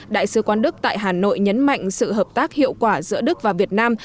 đại sứ quán đức tại hà nội nhấn mạnh sự hợp tác hiệu quả giữa đức và việt nam